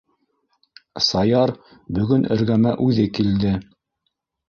Саяр бөгөн эргәмә үҙе килде!